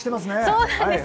そうなんですよ。